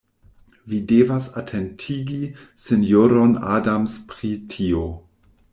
Vi devas atentigi sinjoron Adams pri tio.